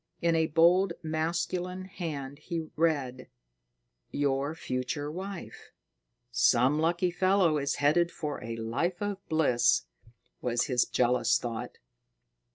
In a bold, masculine hand, he read: "Your future wife." "Some lucky fellow is headed for a life of bliss," was his jealous thought.